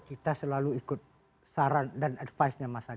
kita selalu ikut saran dan advice nya mas agus